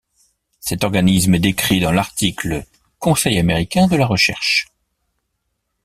Cet organisme est décrit dans l'article Conseil américain de la recherche.